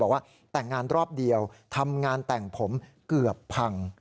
บอกว่าแต่งงานรอบเดียวทำงานแต่งผมเกือบพัง